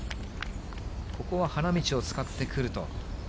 ここは花道を使ってくると。